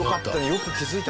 よく気づいた。